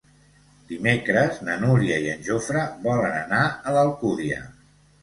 Dimecres na Núria i en Jofre volen anar a l'Alcúdia.